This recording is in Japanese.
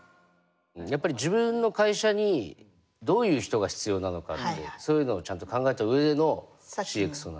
やっぱり自分の会社にどういう人が必要なのかってそういうのをちゃんと考えた上でのＣｘＯなんで。